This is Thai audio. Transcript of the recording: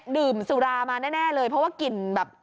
ดื่มสุรามาแน่เลยเพราะว่ากลิ่นแบบ